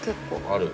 「ある」